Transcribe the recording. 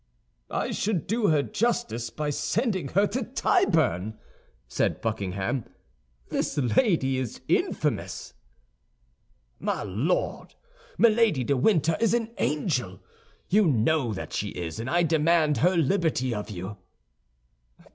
"I should do her justice by sending her to Tyburn," said Buckingham. "This lady is infamous." "My Lord, Milady de Winter is an angel; you know that she is, and I demand her liberty of you."